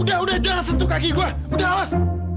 udah udah jangan sentuh kaki gua udah awas